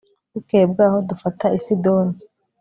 bukeye bw'aho dufata i sidoni